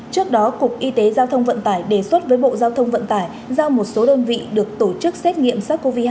trước đó cục y tế giao thông vận tải đề xuất với bộ giao thông vận tải giao một số đơn vị được tổ chức xét nghiệm sars cov hai